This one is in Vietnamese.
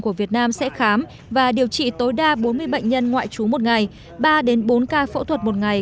của việt nam sẽ khám và điều trị tối đa bốn mươi bệnh nhân ngoại trú một ngày ba đến bốn ca phẫu thuật một ngày